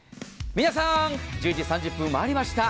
皆さん１０時３０分を回りました。